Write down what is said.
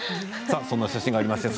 こんな写真がありました。